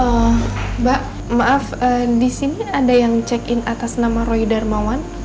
eeeh mbak maaf disini ada yang check in atas nama roy darmawan